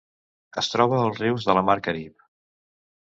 Es troba als rius de la Mar Carib.